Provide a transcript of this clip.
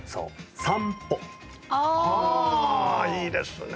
散歩あいいですね